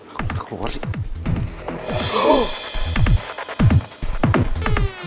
aku ga keluar sih